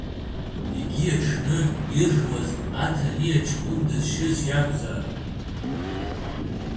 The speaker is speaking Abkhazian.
Егьи, аҽны иржуаз Аҭаниа ҷкәын дызшьыз иакәзаарын…